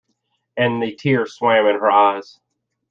And the tears swam in her eyes.